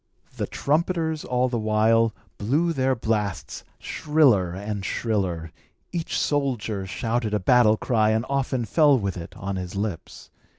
The trumpeters, all the while, blew their blasts shriller and shriller; each soldier shouted a battle cry and often fell with it on his lips.